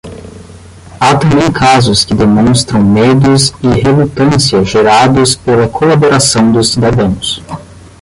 Há também casos que demonstram medos e relutância gerados pela colaboração dos cidadãos.